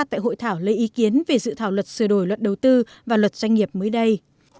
tại hội thảo lấy ý kiến về dự thảo luật sửa đổi luật đầu tư và luật doanh nghiệp mới đây